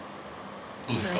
どうですか？